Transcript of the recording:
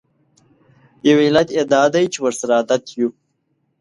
یو علت یې دا دی چې ورسره عادت یوو.